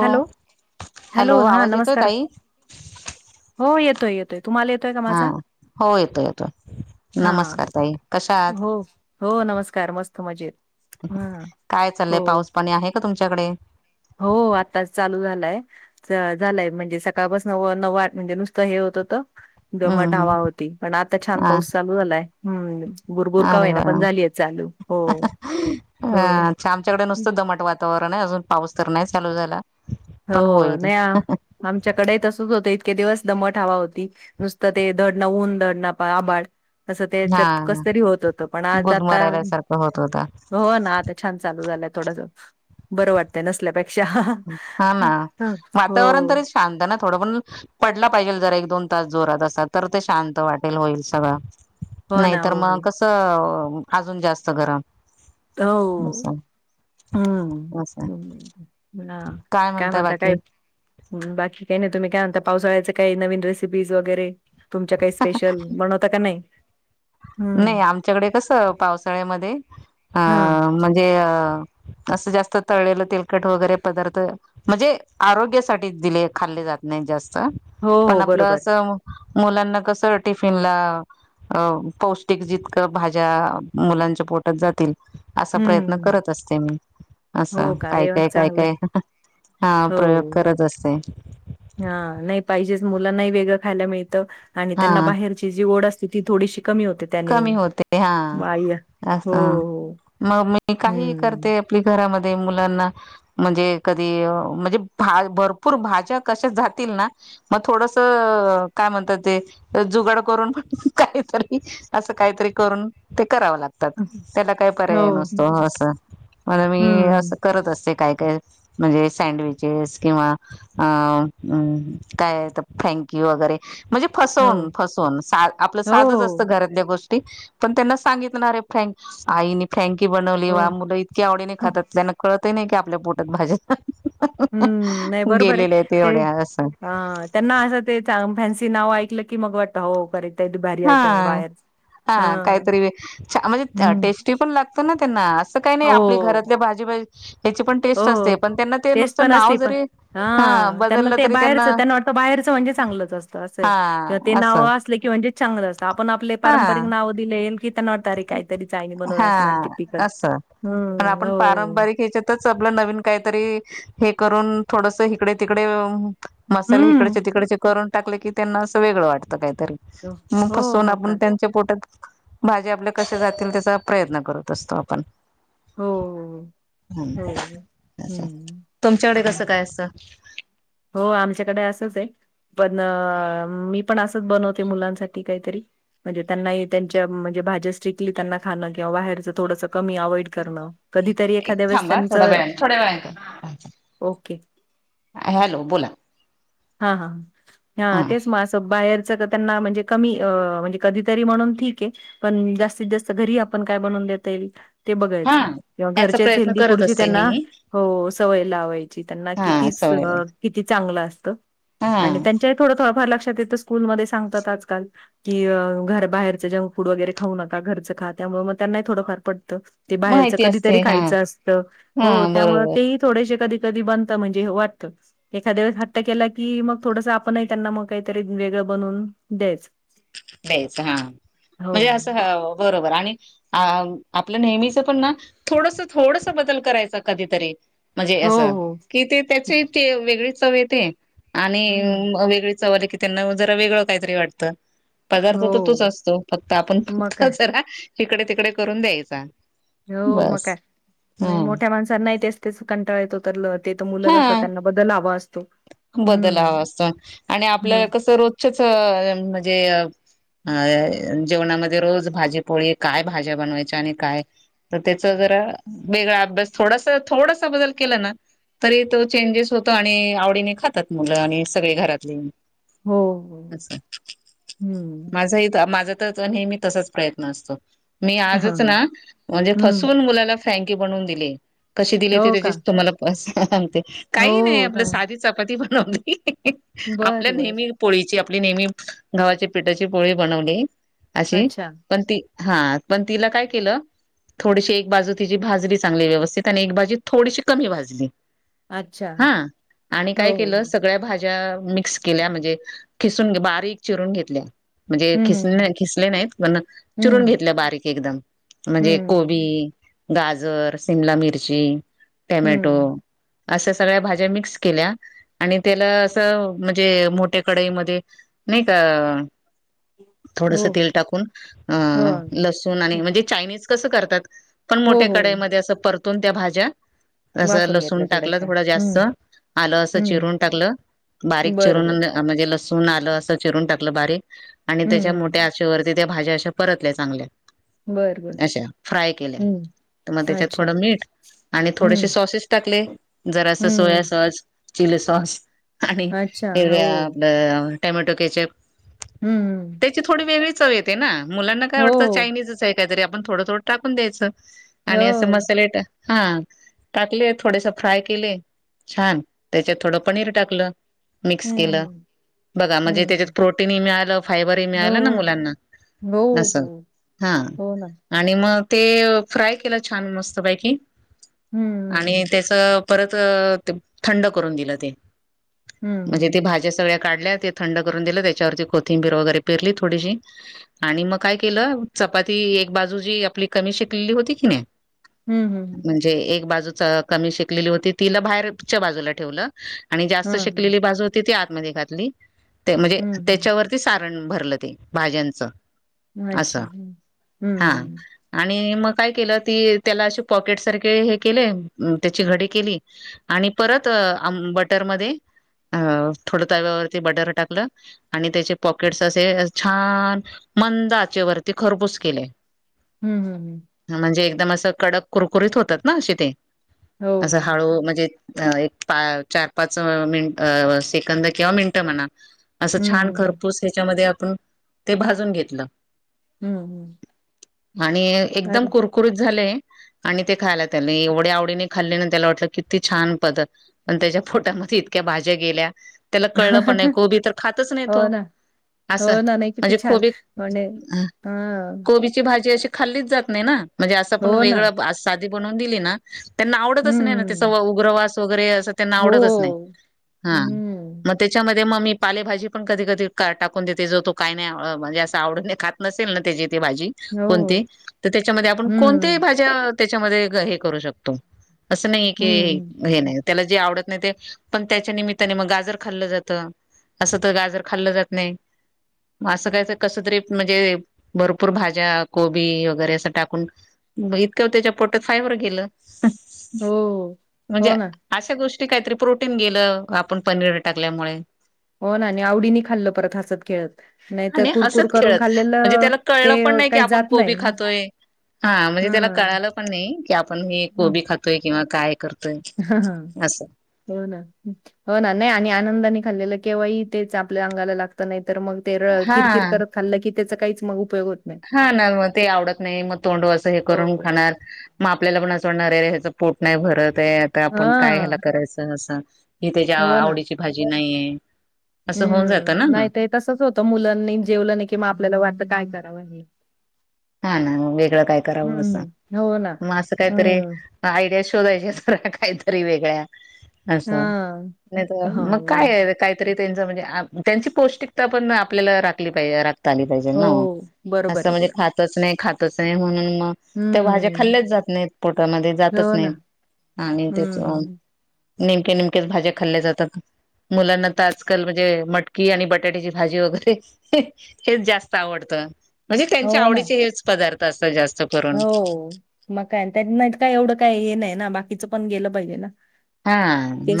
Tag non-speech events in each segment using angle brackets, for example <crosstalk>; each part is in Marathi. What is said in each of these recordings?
हॅलो हॅलो ह आवाज येतोय नमस्कार. ताई हो येतय येतोय तुम्हाला येत. हा हो येतो येतो हा नमस्कार ताई कशा आहात. हो हो नमस्कार मस्त मजेत. हा काय चाललंय हो पाऊस पाणी आहे का तुमच्याकडे. हो आत्ताच चालू झालाय. झालंय म्हणजे सकाळपास न नववाठ म्हणजे नुसतं हे होत होत. गमट हम्म हवा होती पण आता छान अ पाऊस चालू झालाय. हम्म बुरबुरका अरे होईना वा पण झालीय चालू हो अ हो. आमच्याकडे नुसतं दमट वातावरण आहे अजून पाऊस तर नाही चालू झाला. पण हो होईल नाही आमच्याकडे तसच होतं इतके दिवस दमट हवा होती. नुसतं ते दड ना ऊन दड ना आबाळ तं हा त्याच्यात कस तरी होत होतं पण आज आता गुदमरायल्यासारखं होत होता हो ना आता. छान चालू झा थोडस बरं वाटतंय नसल्यापेक्षा हा हो वातावरण तरी शांत ना थोडं पण पडला पाहिजे जर एक दोन तास जोरात असा तर ते शांत वाटेल होईल सगळं. हो नाही ना तरर हो मग कसं अजून जास्त गरम. हो असं हम् असं ला काय म्हणताय म्हणता बाकी काय बाकी काही नाही तुम्ही काय म्हता पावसाळ्याचे काही नवीन रेसिपीज वगैरे तुमच्या काही स्पेशल बनत का नाही. हम्म नाही आमच्याकडे कसं पावसाळ्यामध्ये अ हा म्हणजे अ असं जास्त तळेलं तिलकट वगैरे पदार्थ म्हणजे आरोग्यासाठी दिले खाल्ले जात नाही जास्त. हो पण हो आपलं बरोबर असं मुलांना कस टिफिनला अ पौष्टिक जितक भाज्या मुलांच्या पोटात जातील असा प्रयत्न हम्म. करत असते मी असं हो का? काय अरे वाह! काय काय काय. चांगलंय. हा प्रयोग करत असते. हा नाही पाहिजेच मुलांना वेगळं खायला मिळतं आणि हा त्यांना बाहेर ची जी असते ती थोडीशी कमी होते. त्याने. कमी होते हा बाह्य अस हो, हो. मग मी काही हम्म. करते आपली घरामध्ये मुलांना म्हणजे कधी म्हणजे भा भरपूर भाज्या कशा जातील ना मग थोडस काय म्हणतात ते जुगड करून काहीतरी असं काहीतरी करून ते करावं लागत त्याला काय पर्याय हो. नसतो असं म्हण मी हम्म. असं करत असते काय काय म्हणजे सँडविचेस किंवा अ् काय तर फ्रँक्की वगैरे म्हणजे हो. फसवून फसवून आपलं हो, साधच असतं घरात गोष्टी पण त्यांना सांगित आरे फ्रान्स फ्रँकी बनवली हो. वा मुलं इतकी आवडीने खातात त्यांना कळतही नाही की आपल्या पोटात भाज्यात हम्म नाही बरोबर आहे ते एवढ्या असं ह त्यांना असं ते फॅन्सी नाव ऐकलं की मग वाटत हो करायच हा हा हां. कायतरी छ म्हणजे हम्म. टेस्टी ते पण लागत ना त्यांना असं काही नाही आपली हो. घरातल्या भाजीबाजी हची पण हो टेस्ट असते पण त्यांना ते तेच नुसतं पण नाव असते पण जरी हा बदललं तरी त्यांना बाहेरंच म्हणजे चांगल असत हा असंंय ते असं नवं की म्हणजे चांगलं असत आपण आपले हा पारंपरिक नाव दिले किता न तारीे काहीतरी चायणी बनवलं असणार हा टिपिकल असं हम्म हो आप नवीन काहीतरी हे करून थोडस इकडे तिकडे मसाले हकडे हम्म त टाक क त्यांना अस वेगळ वाटत काहीतरी मग हो फासून काय पोटात भाजी आपल्या कश जातील त्याचा प्रयत्न करत असतो आपण हो हो हो. हम्म तुमच्याकडे हा. कसं काय असतं. हो आमच्याकडे असंच आहे पण मी पण असंच बनवते मुलांसाठी काहीतरी म्हणजे त्यांना त्यांच्या म्हणजे भाज्या स्ट्रिकली त्यांना खाणं किंवा बाहेरचं थोडंसं क अवोइड करण कधीतरी एा थांबा देवस्थानच थोडा वेळाने थोड्या वेळाने ओके हॅलो बोला हा हा हा तेच मग असं बाहेर म्हणजे क म्हणजे कधीतरी म्हणून ठीक आहे. पण जास्तीत जास्त घरी आपण काय बनवून देता येईल ते हा बघायचं किंवा ह्याचा घरच्याच प्रयत्न हेल्दी करत पुढची असते मी त्यांना हो सवय ला लावायची त्यांना हा कितीच सवय किती चांगलं असतं हा आणि त्यांच्याही थोड, थोड फार लक्षात येत स्कूलमध्ये सांगतात आज काल कि घराबाहेरच जंक फूड वगैरे खाऊ नका घरचं खा त्यामुळे मग त्यांनाही थोडं फार पड ते बाहेरच माहिती कधीतरी असते हा खायचं असत हा हो त्यामुळे बरोबर ते थोडेसे कधी, कधी बनता एखाद्या वेळेस हट्ट केला कि मग थोडस आपणही त्यांना मग काहीतरी वेगळं बनवून द्यायच. द्यायचं हा म्हणजे असं बरोबर आणि अ आपलं नेहमीचं पण ना थोडस, थोडस बदल करायचा कधीतरी म्हणजे हो असं कि ते त्याचे ते वेगळीच चव येते. आणि हो वेगळी चव आले की त्यांना जरा वेगळं काहीतरी वाटत. पदार्थ तर तोच हो असतो फक्त आपण मग फक्त काय जरा इकडे, तिकडे करून द्यायचा. हो मग बस काय नाही हं. मोठ्या माणसांना नाही तेच, तेच कंटाळ येतो तर ते तर मुलग असं हां. त्यांना बदल हवा असतो. बदल हम्म हवा असतो आणि आपल्या हो कसं रोजच्याच म्हणजे. अ जेवणामध्ये रोज भाजीपोळी काय भाज्या बनवायच्या आणि काय तर त्याचा जरा वेगळा अभ्यास थोडासा, थोडसा बदल केलाना. तरी तो चेंजेस होतो आणि आवडीने खातात मुलं आणि सगळी घरातली. हो, हो. माझा इथ माझा तर हे मी तसाच प्रयत्न असतो. मी हा आजच ना म्हणजे हम्म फसवून मुलाला फ्रँकी बनवून दिली कशी दिली ते हो त्याची का तुम्हाला सांगते. काही नाही हो आपलं सांग साधी चपाती बनवली बर आपल्या बर नेहमी पोळीची आपली नेहमी गावाची पिठाची पोळी बनवली अशी अच्छा पण ती हा पण तिला काय केलं थोडीशी एक बाजू तिची भाजली चांगली व्यवस्थित आणि एक बाजी थोडीशी कमी भाजली अच्छा. हा आणि हो काय हो हो केलं सगळ्या भाज्या मिक्स केल्या म्हणजे खिसून बारीक चिरून घेतल्या. म्हणजे हम्म खिसले नाही, खिसले नाहीत पण चिरून हम्म घेतल्या बारीक एकदम म्हणजे हम्म कोबी, गाजर, शिमला मिरची, हम्म टोमॅटो हम्म असा सगळ्या भाज्या मिक्स केल्या आणि त्याला असं म्हणजे मोठ्या कडाईमध्ये नाही का हो थोडस तेल टाकून अ हो लसूण आणि म्हणजे चायनीज कसं करतात? पण हो मोठ्या हो कढईमध्ये असं परतून त्या भाज्या असं वाफून लसूण घेतल्या टाकल थोड्याशा थोडा जास्त हम्म. लं अस हम्म. चिरून टाकलं बारीक बरं चिरून बरं. म्हणजे लसूण आलं अस चिरून टाकलं बारीक आणि त्याच्या हम्म. मोठ्या आचेवरती त्या भाज्या अशा परतल्या चांगल्या बरं बरं. तशा फ्राय केल्या. हम्म. तर मग त्याच्यात अच्छा. थोडं मीठ आणि थोडेसे हम्म. सॉसेस टाकले. जरा असं सोया हम्म. सॉस, चिली सॉस आणि अच्छा. हो. हेर्या आपलं टोमॅटो केचप. हम्म.. त्याची थोडी वेगळी चव येत आहे ना मुलांना काय हो. वाटतं चायनीजच आहे. काहीतरी आपण थोड, थोड टाकून द्यायचं आणि अस हो. मसाले हा टाकले थोडेस फ्राय केले छान त्याच्यात थोडं पनीर टाकल मिक्स केलं हम्म. बघा म्हणजे हम्म. त्याच्यात प्रोटीनही मिळालं फायबरही हो. मिळालं ना मुलांना हो, असं हा. हो. ना. आणि मग ते फ्राय केलं छान मस्त पैकी हम्म. आणि त्याच परत थंड करून दिलते. हम्म. म्हणजे ती भाज्या सगळ्या काढल्या ते थंड करून दिल त्याच्यावरती कोथिंबीर वगैरे पिरली थोडीशी आणि मग काय केलं चपाती एक बाजूजी आपली कमी शेकलेली होती की नाही <inaudible> म्हणजे एक बाजूच कमी शेकलेली होती तिला बाहेरच्या बाजूला ठेवलं, आणि जास्त हं. शेकलेली बाजूला होती ती आतमध्ये घातली म्हणजे हं. हं. हां, हं. हं, त्याच्यावर, ते सारण भरलं ते भाज्यांचं, अच्छा असं हा हम्म, आणि मग काय केलं ती त्याला असे पॉकेट सारखे हे केले त्याची घडी केली, आणि परत बटर मध्ये अ थोडं ताव्यावरती बटर टाकलं. आणि त्याचे पॉकेट्स असे छान, मंद आचेवरती खरपूस केले. हम्, म्हणजे एकदम असं कडक कुरकुरीत होतात ना अशी ते हो, असं हो. हळू म्हणजे, अ एक पा चार पाच मिनट सेकंद किंवा मिनिट म्हणा, असं हं. छान हं. खरपूस ह्याच्यामध्ये आपण ते भाजून घेतलं. हं, हं. आणि एकदम अरे कुर, त झाले आणि ते खायला त्या एवढ्या आवडीने खाल्ले त्याला वाटलं किती छान, त्याच्या पोटामध्ये इतक्या भाज्या गेल्या, त्याला कळलं पण नाही को बी तर खातच नाही हो तो, ना. असं हो ना, नाही किती म्हणजे छान खबी म्हणजे हां. खबी, ती भाजी अशी खाल्ली जात नाही म्हणजे अस आपण हो ना. वेगळ साधी बनवुन दिली ना, त्यांना आवडतच नाही ना त्याचा हं. उग्रवास वगैरे, मग त्यांना आवडतच नाही, हो. ह हं. मग त्याच्या मध्ये, ते मग मी पालेभाजी पण कधी कधी टाकून देते जो तो काही नाही म्हणजे असं आवड नाही खात नसेल ना त्याची ती भाजी, कोणती, हो. तर त्याच्यामध्ये आपण कोणत्या हं. भाज्या त्याच्यामध्ये हे करू शकतो. असं नाही की, हं. हे नाही त्याला जे आवडत नाही ते, पण त्याच्या निमित्ताने मग गाजर खाल्लं जातं, असं तर गाजर खाल्लं जात नाही. असं काय कस तरी म्हणजे भरपूर भाज्या कोबी वगैरे असं टाकून, मग इतकं त्याच्या पोटात फायबर गेलं. हो, म्हणजे हो ना. अशा गोष्टी काहीतरी प्रोटीन गेलं आपण पनीर टाकल्यामुळे, हो ना नाही आवडीनी खाल्ल परत हसत खेळत नाहीत आणि कुरकुर असंच करून खेळत म्हणजे खाल्लेलं, त्याला ते कळलं पण नाही की काही आपण जात कोबी नाही. खातोय हा म्हणजे त्याला हां. कळालं पण नाही की आपण हे कोबी खातोय किंवा काय करतो. हा- हा हो ना हो ना नाही आणि आनंदाने खाल्लेलं केव्हाही तेच आपल्या अंगाला लागत नाही तर मग, ते हा किरकिर करत खाल्लं की त्याचा काहीच मग उपयोग होत नाही. हा ना मग ते आवडत नाही मग तोंड असं हे करून हो. खाणार, मग आपल्याला पण असं वाडणाररे ह्याच पोट नाही भरत आहे आता आपण काय ह्याला हां. करायचं असं, ही त्याच्या हो ना. आवडीची भाजी नाहीये, असं होऊन जातं ना हम्म मग. नाही ती तसच होतं मुलांनी जेवलं नाही कि मग आपल्याला वाटत काय करावं हे हा ना मग वेगळं काय करावं असं हम्म, हो ना. मग असं काहीतरी हम्म, आयडिया शोधायच्या सारखं काहीतरी वेगळ्या असं हां. नाही तर हां, मग हो ना. काय काय हां त्यांची म्हणजे त्यांची पौष्टिकता पण आपल्याला राखली पाहिजे राख खाल्ली पाहिजे हो, ना बरोबर असं आहे, म्हणजे बरोबर. खातच नाही खातच नाही म्हणून मग त्या भाज्या हम्म, खाल्ल्याच जात नाहीत पोटामध्ये जातच हो ना. नाहीत आणि त्याच हम्म, नेमक्या नेमक्याच भाज्या खाल्ल्या जातात. मुलांना तर आजकाल म्हणजे मटकी आणि बटाट्याची भाजी वगैरे हेच जास्त आवडतं म्हणजे त्यांच्या हो ना. आवडीचे हेच पदार्थ असतात जास्त करून हो, मग काय त्या नाही काय एवढं काय हे नाही ना बाकीचं पण गेलं पाहिजे ना हा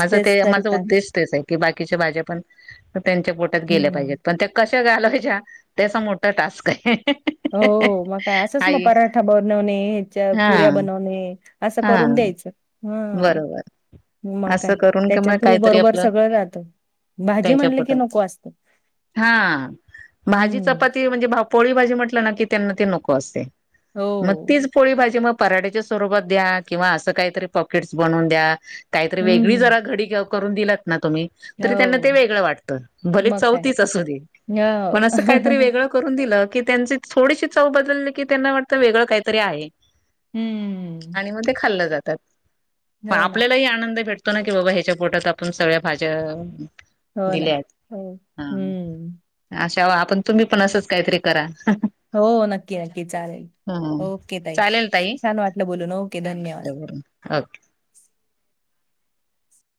माझ ते तरी माझा काय. उद्देश तेच आहे की बाकीच्या भाज्या पण त्यांच्या पोटात गेल्या पाहिजेत हम्म, पण त्या कशा घालवायच्या ते असा मोठा टास्क आहे. हो हो मग काय असंच मग आई पराठा बनवणे हेच्या हा पुऱ्या बनवणे. असं हा करून द्यायचं हम्म. बरोबर मग काय असं करून कि त्याच्या मग थ्रू काहीतरी बरोबर आपलं सगळं जातं. भाजी त्यांच्या म्हणले की पोटात नको असतं. हा भाजी हम्म. चपाती म्हणजे भा पोळी भाजी म्हटलं ना की त्यांना ते नको असते मग हो. तीच पोळी भाजी मग पराठ्याच्या स्वरूपात द्या किंवा असं काहीतरी पॉकेट्स बनवून द्या. काहीतरी वेगळी हम्म. जरा घडी करून दिलात ना तुम्ही तरी त्यांना हो. ते वेगळं वाटत भले मग चव काय. तीच असू दे पण हो. असं काहीतरी वेगळं करून दिलं की त्यांची थोडीशी चव बदलली की त्यांना वाटतं वेगळं काहीतरी आहे. <inaudible> हम्म. आणि मग ते खाल्लं जातात. म हो ना. आपल्यालाही आनंद भेटतो ना की बाबा ह्याच्या पोटात आपण सगळ्या भाज्या हो ना. दिल्या हो. आहेत हम्म. ह <inaudible> अशा वा आपण तुम्ही पण असंच काहीतरी करा. हो नक्की नक्की चालेल ओके ताई छान वाटलं बोलून ओके छान धन्यवाद. वाटलं <unintelligible>